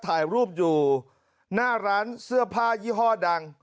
ถ่ายรูปอยู่หน้าร้านเสื้อผ้ายี่ห้อดัง